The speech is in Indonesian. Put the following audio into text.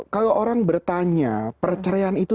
kalau orang bertanya perceraian itu